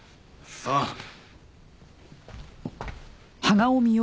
さあ！